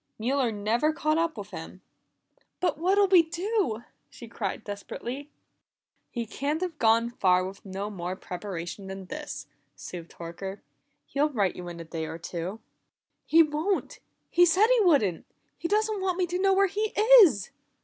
"Mueller never caught up with him." "But what'll we do?" she cried desperately. "He can't have gone far with no more preparation than this," soothed Horker. "He'll write you in a day or two." "He won't! He said he wouldn't. He doesn't want me to know where he is!"